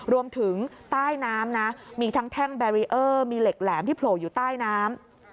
รวมถึงใต้น้ำนะมีทั้งแท่งแบรีเออร์มีเหล็กแหลมที่โผล่อยู่ใต้น้ำ